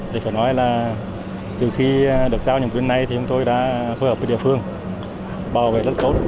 thì phải nói là từ khi được giao nhiệm quyền này thì chúng tôi đã phối hợp với địa phương bảo vệ rất tốt